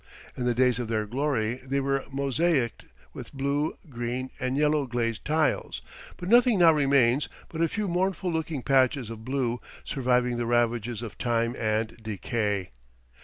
In the days of their glory they were mosaicked with blue, green and yellow glazed tiles; but nothing now remains but a few mournful looking patches of blue, surviving the ravages of time and decay.